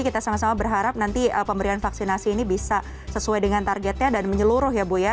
kita sama sama berharap nanti pemberian vaksinasi ini bisa sesuai dengan targetnya dan menyeluruh ya bu ya